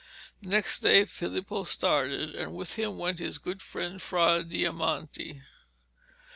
Next day Filippo started, and with him went his good friend Fra Diamante.